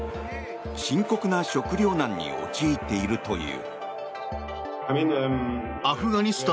深刻な食糧難に陥っているという。